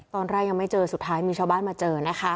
ตอนแรกยังไม่เจอสุดท้ายมีชาวบ้านมาเจอนะคะ